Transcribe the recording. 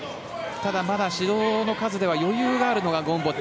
ただ、まだ指導の数では余裕があるのがゴムボッチ。